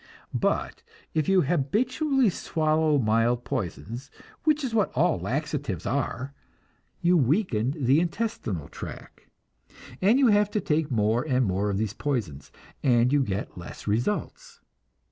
But if you habitually swallow mild poisons, which is what all laxatives are, you weaken the intestinal tract, and you have to take more and more of these poisons, and you get less results.